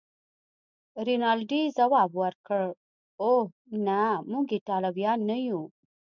رینالډي ځواب ورکړ: اوه، نه، موږ ایټالویان نه یو.